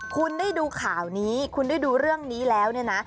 คุณได้ดูข่าวนี้คุณได้ดูเรื่องนี้แล้วเนี่ยนะ